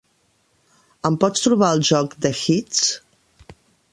Em pots trobar el joc The Hits?